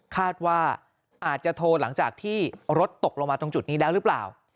คาดว่าอาจจะโทรหลังจากที่รถตกลงมาตรงจุดนี้แล้วหรือเปล่า